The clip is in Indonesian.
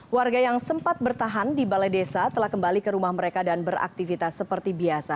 warga yang sempat bertahan di balai desa telah kembali ke rumah mereka dan beraktivitas seperti biasa